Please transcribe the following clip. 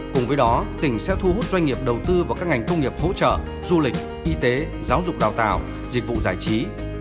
cùng với đó tỉnh sẽ thu hút doanh nghiệp đầu tư vào các ngành công nghiệp hỗ trợ du lịch y tế giáo dục đào tạo dịch vụ giải trí